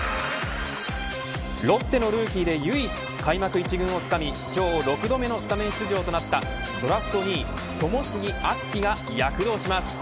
ロッテのルーキーで唯一、開幕一軍をつかみ今日６度目のスタメン出場となったドラフト２位友杉篤輝が躍動します。